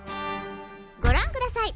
ご覧ください。